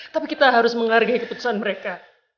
tapi kita harus menghargai keputusan mereka